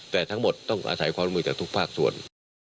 แต่ทั้งหมดต้องอาศัยความร่วมมือจากทุกภาคส่วน